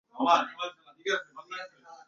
তোমার কাজ শত্রু সৈন্যদের হত্যা করা।